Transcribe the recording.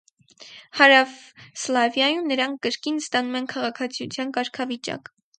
Հարավսլավիայում նրանք կրկին ստանում են քաղաքացիության կարգավիճակ։